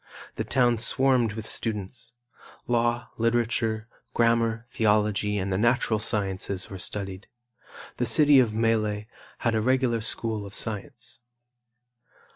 The town swarmed with students. Law, literature, grammar, theology and the natural sciences were studied. The city of Melle had a regular school of science.